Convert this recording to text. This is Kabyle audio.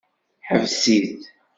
Ḥbes-it.